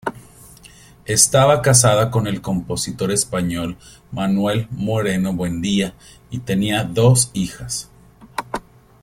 Estaba casada con el compositor español Manuel Moreno-Buendía y tenía dos hijas.